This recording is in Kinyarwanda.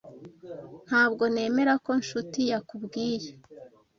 Ntabwo nemera ko Nshuti yakubwiye.